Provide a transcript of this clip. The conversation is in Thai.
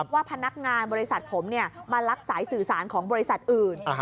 ว่าพนักงานบริษัทผมมาลักสายสื่อสารของบริษัทอื่น